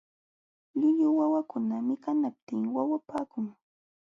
Llullu wawakuna mikanaptin wawapaakunmi.